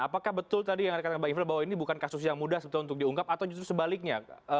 apakah betul tadi yang dikatakan mbak ifdal bahwa ini bukan kasus yang mudah sebetulnya untuk diungkap atau justru sebaliknya